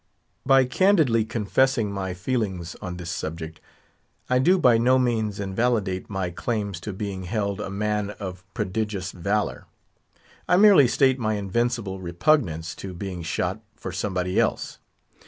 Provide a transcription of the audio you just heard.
By candidly confessing my feelings on this subject, I do by no means invalidate my claims to being held a man of prodigious valour. I merely state my invincible repugnance to being shot for somebody else.